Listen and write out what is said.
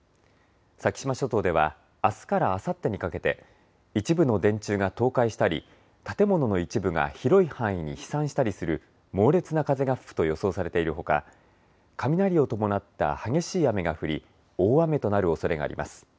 先島諸島ではあすからあさってにかけて一部の電柱が倒壊したり建物の一部が広い範囲に飛散したりする猛烈な風が吹くと予想されているほか雷を伴った激しい雨が降り大雨となるおそれがあります。